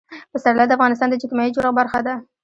پسرلی د افغانستان د اجتماعي جوړښت برخه ده.